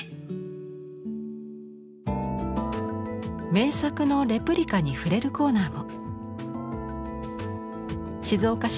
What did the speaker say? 名作のレプリカに触れるコーナーも。